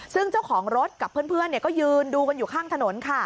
ซึ่งเจ้าของรถกับเพื่อนก็ยืนดูกันอยู่ข้างถนนค่ะ